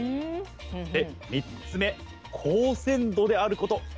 で３つ目高鮮度であること。